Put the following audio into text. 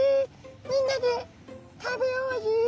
みんなで食べようアジ」。